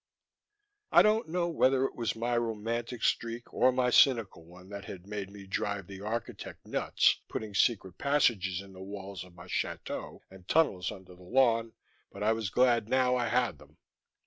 I don't know whether it was my romantic streak or my cynical one that had made me drive the architect nuts putting secret passages in the walls of my chateau and tunnels under the lawn, but I was glad now I had them.